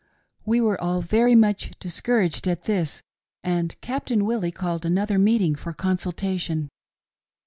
We were all very much discouraged at this, and Captain Willie called another meeting for consultation.